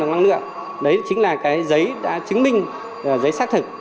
bằng năng lượng đấy chính là cái giấy đã chứng minh giấy xác thực